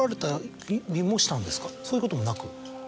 そういうこともなく？